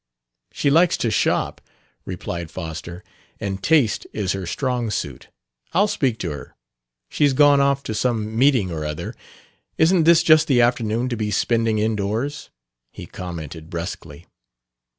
"She likes to shop," replied Foster, "and taste is her strong suit. I'll speak to her, she's gone off to some meeting or other. Isn't this just the afternoon to be spending indoors?" he commented brusquely.